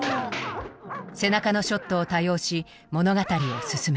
背中のショットを多用し物語を進めた。